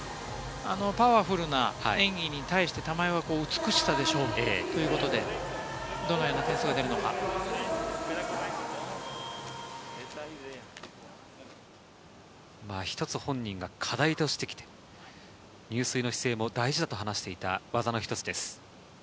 パワフルな演技に対して、玉井な美しさで勝負ということで、どのような点数が出１つ、本人が課題としてきて、入水の姿勢も大事だと話していた技の一つです。